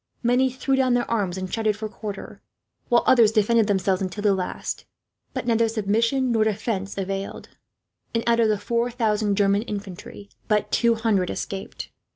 Many threw down their arms and shouted for quarter, while others defended themselves until the last; but neither submission nor defence availed and, out of the four thousand German infantry, but two hundred escaped.